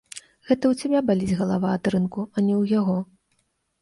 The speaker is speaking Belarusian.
Гэта ў цябе баліць галава ад рынку, а не ў яго.